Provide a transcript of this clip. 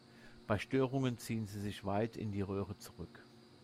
Bei Störungen ziehen sie sich weit in die Röhre zurück.